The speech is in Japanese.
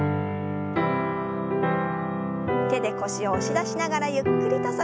手で腰を押し出しながらゆっくりと反らせます。